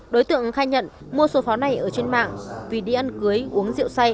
đối tượng khai nhận mua sổ pháo này ở trên mạng vì đi ăn cưới uống rượu